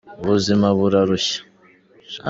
ubuzima burarushya.